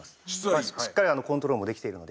しっかりコントロールもできているので。